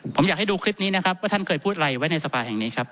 ผมอยากให้ดูคลิปนี้นะครับว่าท่านเคยพูดอะไรไว้ในสภาแห่งนี้ครับ